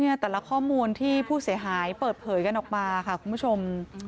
แต่ละข้อมูลที่ผู้เสียหายเปิดเผยกันออกมาค่ะคุณผู้ชม